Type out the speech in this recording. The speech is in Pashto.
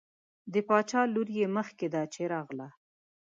د باچا لور یې مخکې ده چې راغله.